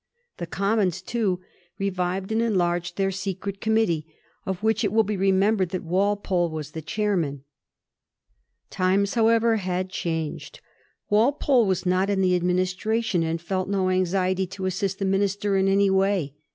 The Commons, too, revived and enlarged their secret committee, of which it will be remembered that Walpole was the chairman. Times, however, had changed. Walpole was not in the administration, and felt no anxiety to assist the ministry in any way.